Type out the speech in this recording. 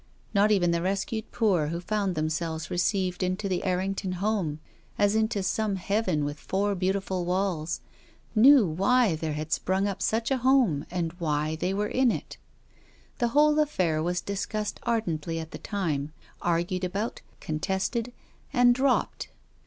Not even the res cued poor who found themselves received into the Errington Home as into some heaven with four beautiful walls, knew why there had sprung up such a home and why they were in it. The whole affair was discussed ardently at the time, argued about, contested, and dropped.